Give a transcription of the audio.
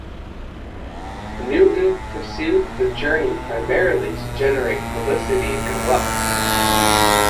Newton pursued the journey primarily to generate publicity and wealth.